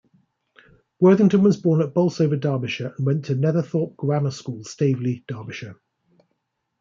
Worthington was born at Bolsover, Derbyshire and went to Netherthorpe Grammar School, Staveley, Derbyshire.